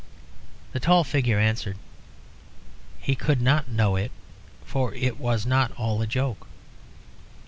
The tall figure answered "He could not know it. For it was not all a joke."